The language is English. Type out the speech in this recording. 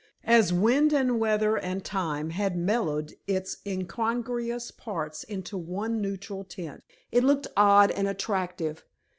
As wind and weather and time had mellowed its incongruous parts into one neutral tint, it looked odd and attractive.